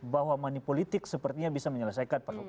bahwa money politik sepertinya bisa menyelesaikan persoalan